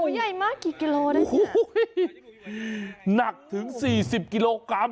โอ้ยไอ่มั๊กกี่กิโลนั่นโอ้ยนักถึงสี่สิบกิโลกรัม